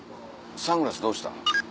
サングラスどうした？